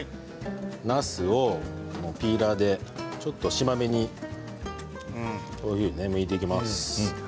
なすをピーラーでちょっと、しま目にこういうふうにむいていきます。